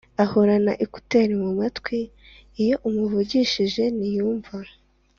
ahorana ekuteri mu matwi iyo umuvugishije ntiyumva